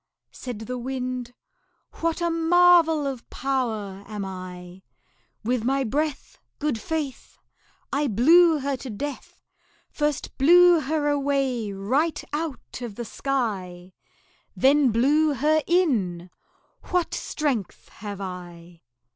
Said the Wind "What a marvel of power am I! With my breath, Good faith! I blew her to death First blew her away right out of the sky Then blew her in; what strength have I!"